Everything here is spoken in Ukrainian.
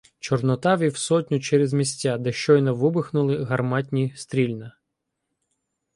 Чорнота вів сотню через місця, де щойно вибухнули гарматні стрільна.